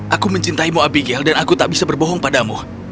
aku mencintaimu abigail dan aku tak bisa berbohong padamu